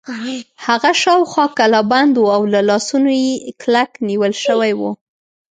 هغه شاوخوا کلابند و او له لاسونو کلک نیول شوی و.